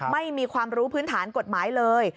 ไม่มีความรู้พื้นฐานกฎหมายเลย